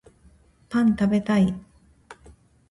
パン食べたい